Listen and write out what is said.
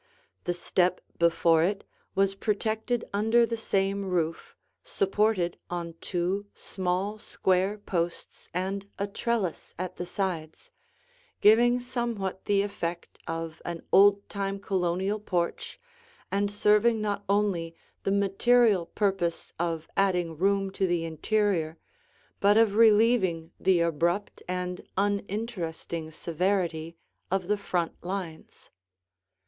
The step before it was protected under the same roof, supported on two, small, square posts and a trellis at the sides, giving somewhat the effect of an old time Colonial porch and serving not only the material purpose of adding room to the interior but of relieving the abrupt and uninteresting severity of the front lines.